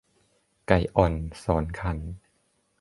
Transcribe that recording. ไก่อ่อนสอนขัน